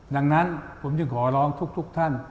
ดังนั้นผมขอลองทุกท่าน